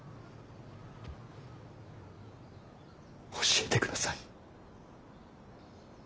教えてください。